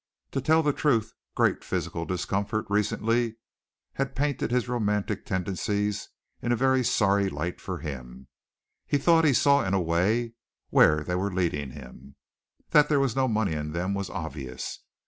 To tell the truth, great physical discomfort recently had painted his romantic tendencies in a very sorry light for him. He thought he saw in a way where they were leading him. That there was no money in them was obvious.